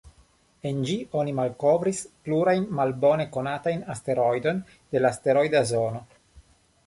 En ĝi oni malkovris plurajn malbone konatajn asteroidojn de la asteroida zono.